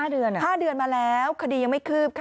๕เดือนอ่ะ๕เดือนมาแล้วคดียังไม่คืบค่ะ